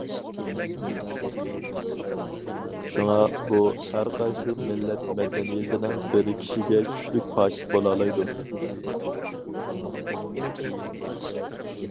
شۇڭا بۇ، ھەر قايسى مىللەت مەدەنىيىتىنىڭ بىرىكىشىگە كۈچلۈك پاكىت بولالايدۇ.